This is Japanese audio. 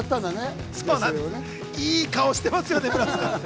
いい顔してますよね。